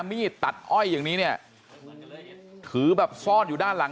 มีดตัดอ้อยอย่างนี้เนี่ยถือแบบซ่อนอยู่ด้านหลัง